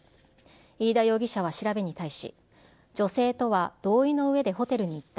飯田容疑者は調べに対し、女性とは同意のうえでホテルに行った。